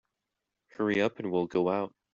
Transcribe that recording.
Hurry up and we'll go out.